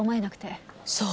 そう。